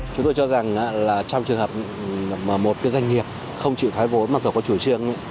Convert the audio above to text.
chúng tôi cho rằng trong trường hợp một doanh nghiệp không chịu thoái vốn mà có chủ trương